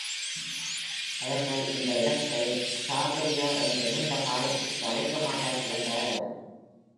அவர்கள் இந்த இடத்தை Scarberia என்று நீண்ட காலத்திற்கு அழைக்க மாட்டார்கள் என்றார் அவர்.